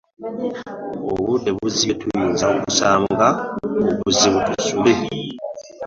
Obudde buzibye tuyinza okusanga obuzibu tusule!